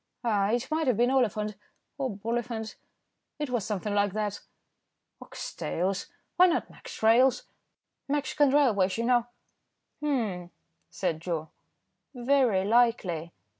"Ah! it might have been Oliphant, or Boliphant, it was something like that." "Ox tails. Why not Mex. Rails.? Mexican Railways, you know." "Humph," said Joe, "very likely."